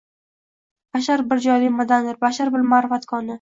Bashar bir jonli maʻdandir, bashar bir maʻrifat koni